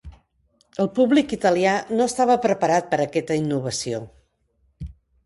El públic italià no estava preparat per aquesta innovació.